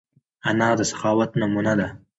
انا د سخاوت نمونه ده